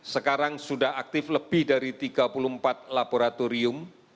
sekarang sudah aktif lebih dari tiga puluh empat laboratorium